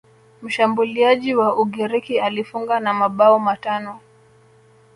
mshambuliaji wa ugiriki alifunga na mabao matano